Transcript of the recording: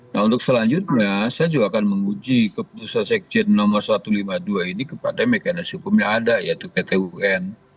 nah untuk selanjutnya saya juga akan menguji keputusan sekjen nomor satu ratus lima puluh dua ini kepada mekanisme hukum yang ada yaitu pt un